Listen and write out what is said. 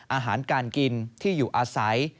อาหารการกินที่อยู่อาศัย